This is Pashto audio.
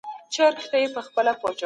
ټولنه خبرې کوي.